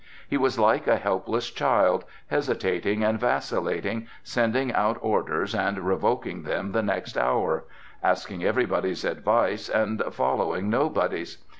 He was like a helpless child, hesitating and vacillating, sending out orders, and revoking them the next hour; asking everybody's advice, and following nobody's.